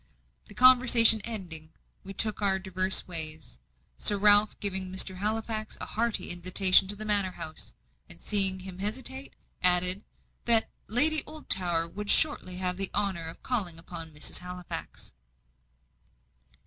The conversation ending, we took our diverse ways; Sir Ralph giving Mr. Halifax a hearty invitation to the manor house, and seeing him hesitate, added, that "Lady Oldtower would shortly have the honour of calling upon Mrs. Halifax."